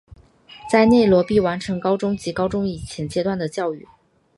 在内罗毕完成高中及高中以前阶段的教育。